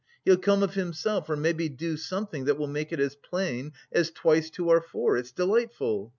He'll come of himself, or maybe do something which will make it as plain as twice two are four it's delightful.